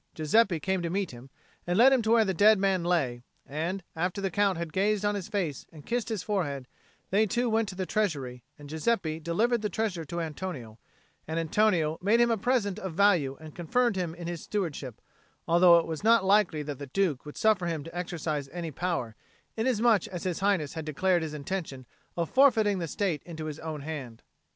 Giuseppe came to meet him, and led him where the dead man lay, and, after the Count had gazed on his face and kissed his forehead, they two went to the treasury, and Giuseppe delivered the treasure to Antonio; and Antonio made him a present of value and confirmed him in his stewardship, although it was not likely that the Duke would suffer him to exercise any power, inasmuch as His Highness had declared his intention of forfeiting the estate into his own hand.